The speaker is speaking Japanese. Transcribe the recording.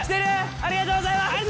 ありがとうございます！